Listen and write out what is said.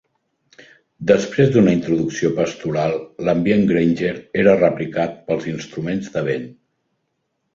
Després d"una introducció pastoral, l"ambient Grainger era replicat pels instruments de vent.